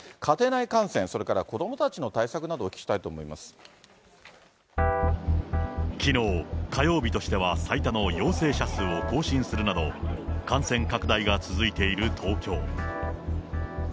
家庭内感染、それから子どもたちの対策などをお聞きしたいと思いきのう、火曜日としては最多の陽性者数を更新するなど、感染拡大が続いている東京。